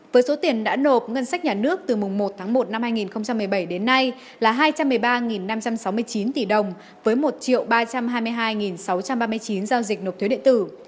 với số tiền đã nộp ngân sách nhà nước từ mùng một tháng một năm hai nghìn một mươi bảy đến nay là hai trăm một mươi ba năm trăm sáu mươi chín tỷ đồng với một ba trăm hai mươi hai sáu trăm ba mươi chín giao dịch nộp thuế điện tử